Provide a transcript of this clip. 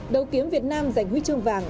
đấu kiếm việt nam giành huy chương vàng